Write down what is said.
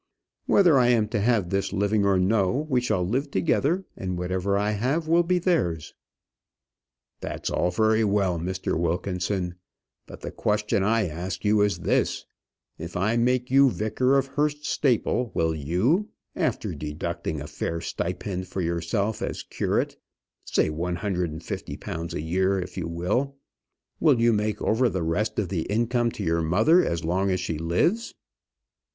Whether I am to have this living or no, we shall live together; and whatever I have will be theirs." "That's all very well, Mr. Wilkinson; but the question I ask you is this: if I make you vicar of Hurst Staple, will you, after deducting a fair stipend for yourself as curate say one hundred and fifty pounds a year if you will will you make over the rest of the income to your mother as long as she lives?"